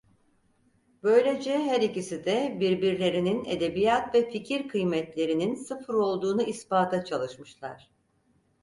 Böylece her ikisi de birbirlerinin edebiyat ve fikir kıymetlerinin sıfır olduğunu ispata çalışmışlar…